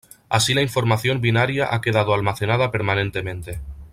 Así la información binaria ha quedado almacenada permanentemente.